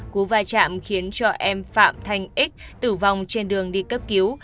cú vai trạm khiến cho em phạm thanh x tử vong trên đường đi cấp cứu